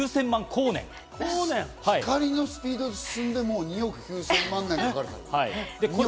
光のスピードで進んでも２億９０００万年かかると。